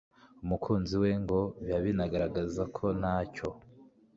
umukunzi we ngo biba binagaragaza ko ntacyo